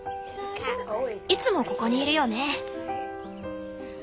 いつもここにいるよね。